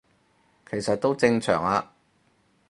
其實都正常吖